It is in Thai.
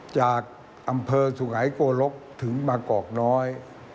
จากอำเภอสุไงโกรกถึงมากอกน้อย